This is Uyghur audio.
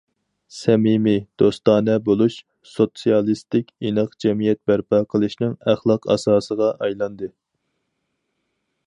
سەمىمىي، دوستانە بولۇش سوتسىيالىستىك ئىناق جەمئىيەت بەرپا قىلىشنىڭ ئەخلاق ئاساسىغا ئايلاندى.